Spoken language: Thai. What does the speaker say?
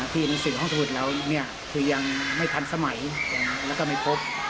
ที่หนังสือห้องสมุทรเราคือยังไม่ทันสมัยแล้วก็ไม่พบ